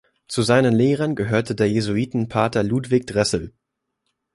Zu seinen Lehrern gehörte der Jesuitenpater Ludwig Dressel.